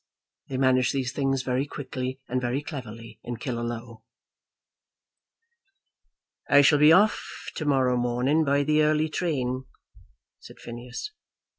They manage these things very quickly and very cleverly in Killaloe. "I shall be off to morrow morning by the early train," said Phineas.